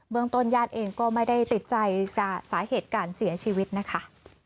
เมืองต้นญาติเองก็ไม่ได้ติดใจสาเหตุการเสียชีวิตนะคะ